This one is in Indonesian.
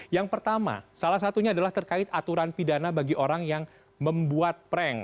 yang pertama salah satunya adalah terkait aturan pidana bagi orang yang membuat prank